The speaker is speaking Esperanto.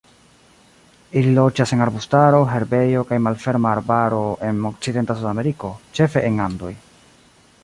Ili loĝas en arbustaro, herbejo kaj malferma arbaro en okcidenta Sudameriko, ĉefe en Andoj.